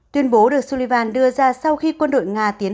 tuyên bố được sullivan đưa ra sau khi quân đội nga đã đặt tên là nga